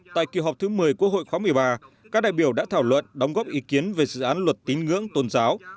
tại kỳ họp thứ một mươi quốc hội khóa một mươi ba các đại biểu đã thảo luận đóng góp ý kiến về dự án luật tín ngưỡng tôn giáo